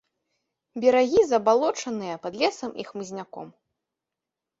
Берагі забалочаныя, пад лесам і хмызняком.